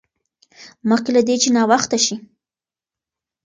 مخکې له دې چې ناوخته شي.